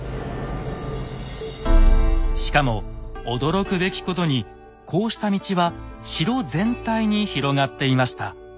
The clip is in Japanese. しかも驚くべきことにこうした道は城全体に広がっていました。